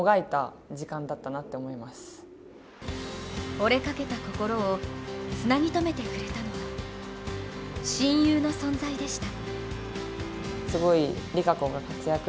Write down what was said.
折れかけた心をつなぎ止めてくれたのは親友の存在でした。